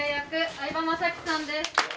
相葉雅紀さんです